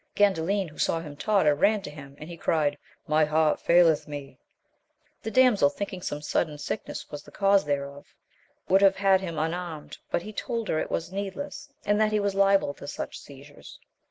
Gandalin, who saw him totter, ran to him, and he cried. My heart faileth me ! The damsel, thinking some sudden sickness was the cause thereof, would have had him unarmed, but he told her it was needless, and that he was liable to such seizures.